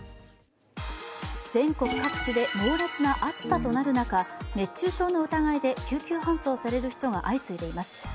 全国各地で猛烈な暑さとなる中、熱中症の疑いで救急搬送される人が相次いでいます。